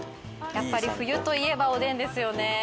やっぱり冬といえばおでんですよね。